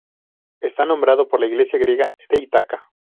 Está nombrado por la isla griega de Ítaca.